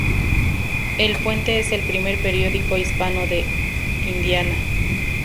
El Puente es el primer periódico hispano de Indiana.